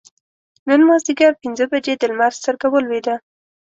نن مازدیګر پینځه بجې د لمر سترګه ولوېده.